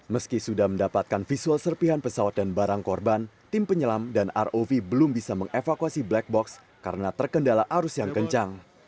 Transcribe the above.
meski sudah mendapatkan visual serpihan pesawat dan barang korban tim penyelam dan rov belum bisa mengevakuasi black box karena terkendala arus yang kencang